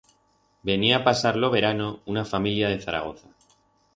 Venié a pasar lo verano una familia de Zaragoza.